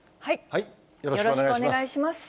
よろしくお願いします。